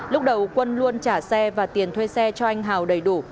lúc đầu quân luôn trả xe và tiền thuê xe cho anh hào đầy đủ